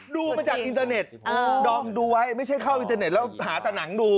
ดูมาจากอินเตอร์เน็ตดอมดูไว้ไม่ใช่เข้าอินเทอร์เน็ตแล้วหาแต่หนังดู